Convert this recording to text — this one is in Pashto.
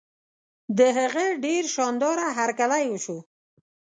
د هغه ډېر شان داره هرکلی وشو.